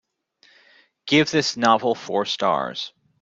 Give this novel four stars